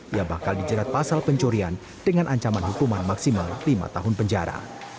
ia bakal dijerat pasal pencurian dengan ancaman hukuman maksimal lima tahun penjara